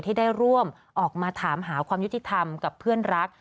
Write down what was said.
ที่ได้ร่วมออกมาถามหาความยุติธรรมกับเพื่อนรัก